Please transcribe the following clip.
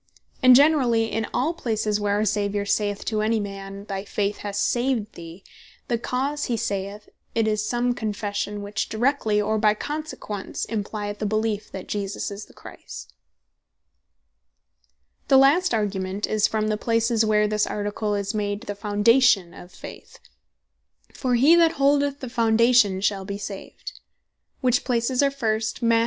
And generally in all places where our Saviour saith to any man, "Thy faith hath saved thee," the cause he saith it, is some Confession, which directly, or by consequence, implyeth a beleef, that Jesus Is The Christ. From That It Is The Foundation Of All Other Articles The last Argument is from the places, where this Article is made the Foundation of Faith: For he that holdeth the Foundation shall bee saved. Which places are first, Mat.